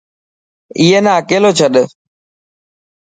ائي نا اڪيلو ڇڏ.